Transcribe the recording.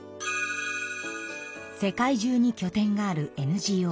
世界中にきょ点があるＮＧＯ